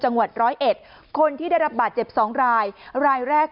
จังหวัดร้อยเอ็ดคนที่ได้รับบาดเจ็บสองรายรายแรก